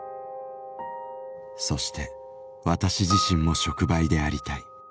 「そして私自身も触媒でありたい。